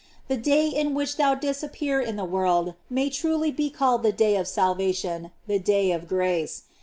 The day in which thou didst appear in the world may truly be called the day of salvation, the day of grace.